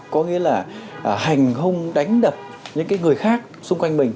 có nghĩa là hành hung đánh đập những người khác xung quanh mình